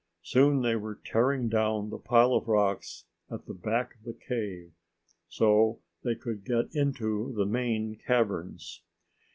Soon they were tearing down the pile of rocks at the back of the cave so they could get into the main caverns.